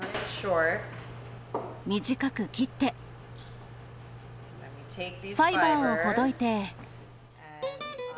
短く切って、ファイバーをほどいて。